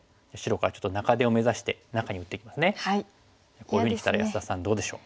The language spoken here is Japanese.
こういうふうにきたら安田さんどうでしょう？